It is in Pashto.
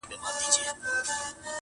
o او درد د تجربې برخه ده,